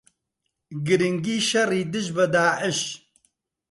گرنگی شەڕی دژ بە داعش